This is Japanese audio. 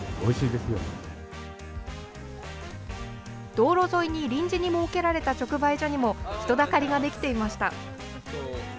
道路沿いに臨時に設けられた直売所にも人だかりができていました。